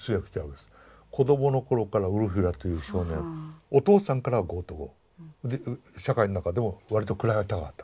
子どもの頃からウルフィラという少年お父さんからはゴート語で社会の中でも割と位が高かった。